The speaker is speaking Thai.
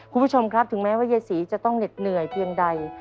คุณผู้ชมครับถึงแม้ว่ายายศรีจะต้องเหน็ดเหนื่อยเพียงใด